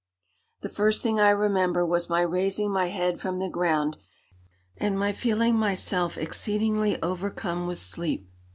"The first thing I remember was my raising my head from the ground, and my feeling myself exceedingly overcome with sleep.